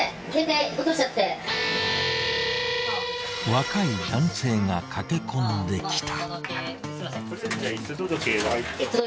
［若い男性が駆け込んできた］